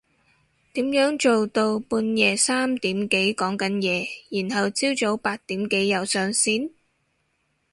點樣做到半夜三點幾講緊嘢然後朝早八點幾又上線？